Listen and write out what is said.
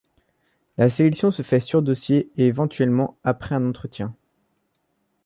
La sélection se fait sur dossier et éventuellement après un entretien.